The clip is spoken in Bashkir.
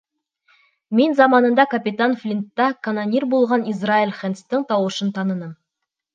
Мин заманында капитан Флинтта канонир булған Израэль Хэндстың тауышын таныным.